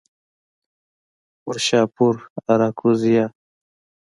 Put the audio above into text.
پورشاپور، آراکوزیا